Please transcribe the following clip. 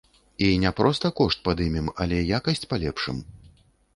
І не проста кошт падымем, але якасць палепшым.